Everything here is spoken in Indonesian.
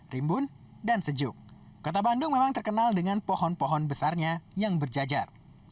rimbun dan sejuk kota bandung memang terkenal dengan pohon pohon besarnya yang berjajar